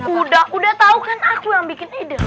udah udah tau kan aku yang bikin ide